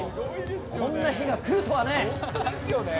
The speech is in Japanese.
こんな日が来るとはね。